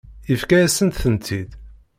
Yefka-yasent-tent-id.